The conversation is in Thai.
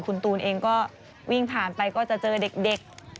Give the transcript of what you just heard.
คุณตูนเองก็วิ่งผ่านไปก็จะเจอเด็ก